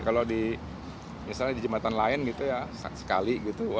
kalau misalnya di jembatan lain sekali